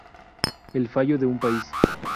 El fallo de un país"".